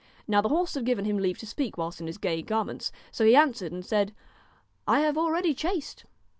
Now the horse had given him leave to speak whilst in his gay garments, so he answered and said :' I have already chased.'